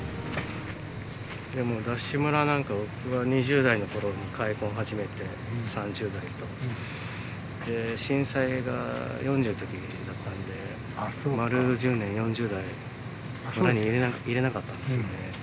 ＤＡＳＨ村なんか、僕は２０代のころに開墾始めて、３０代と、震災が４０のときだったんで、丸１０年、４０代いれなかったんですよね。